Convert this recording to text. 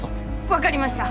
わかりました。